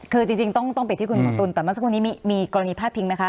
คือจริงจริงต้องต้องเป็นที่คุณหมอตุ๋นแต่เมื่อสักวันนี้มีมีกรณีพลาดพิงไหมคะ